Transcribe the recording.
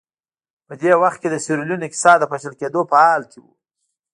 په دې وخت کې د سیریلیون اقتصاد د پاشل کېدو په حال کې و.